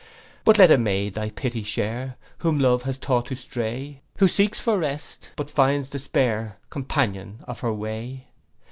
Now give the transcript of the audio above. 'But let a maid thy pity share, Whom love has taught to stray; Who seeks for rest, but finds despair Companion of her way.